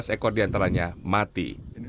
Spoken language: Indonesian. tiga belas ekor diantaranya mati